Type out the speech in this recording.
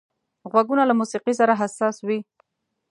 غوږونه له موسيقي سره حساس وي